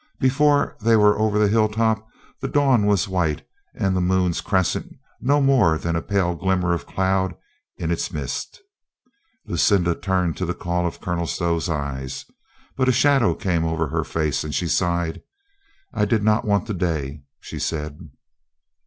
Before they were over the hilltop the dawn was white and the moon's crescent no more than a pale glimmer of cloud in its midst. Lucinda turned to the call of Colonel Stow's eyes. But a shadow came over her face, and she sighed. "I did not want the day," she said.